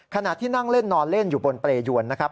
ขณะที่นั่งเล่นนอนเล่นอยู่บนเปรยวนนะครับ